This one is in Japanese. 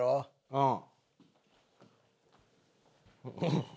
うん。